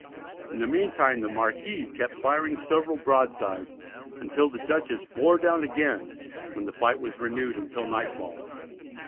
In the meantime the Marquis kept firing several broadsides until the Dutchess "bore down again," when the fight was renewed until nightfall.